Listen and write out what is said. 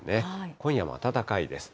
今夜も暖かいです。